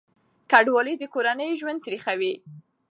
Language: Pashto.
کډوالي د کورنیو ژوند تریخوي.